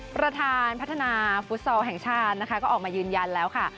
ประธานพัฒนาฟุตซอลแห่งชาตินะคะก็ออกมายืนยันแล้วค่ะ